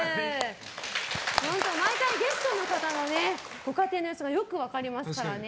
毎回ゲストの方のご家庭の様子がよく分かりますからね。